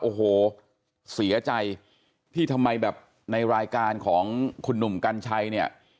โอ้โหเสียใจที่ทำไมแบบในรายการของคุณหนุ่มกัญชัยเนี่ย